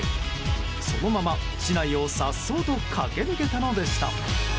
そのまま市内を颯爽と駆け抜けたのでした。